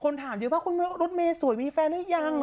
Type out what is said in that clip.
คนถามเยอะป่ะว่าคุณรถเมสวยมีแฟนหรือยัง